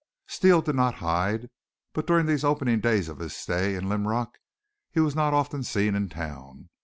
Steele did not hide, but during these opening days of his stay in Linrock he was not often seen in town.